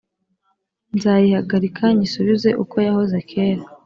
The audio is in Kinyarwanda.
nzayihagarika nyisubize uko yahoze kera,